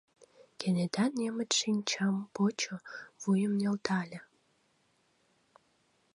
Кенета немыч шинчам почо, вуйым нӧлтале.